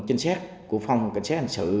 chính xác của phòng cảnh sát hành sự